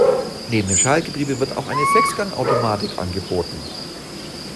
Neben dem Schaltgetriebe wird auch eine Sechs-Gang-Automatik angeboten.